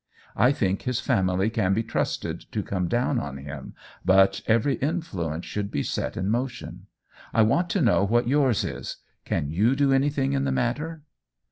I think his family can be trusted to come down on him, but every influence should be set in motion. I want to know what yours is. Can you do anything in the matter